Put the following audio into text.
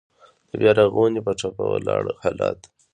د بيا رغونې په ټپه ولاړ حالات.